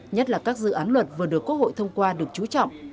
nhất là các dự án luật vừa được quốc hội thông qua được trú trọng